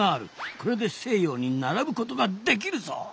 これで西洋に並ぶことができるぞ。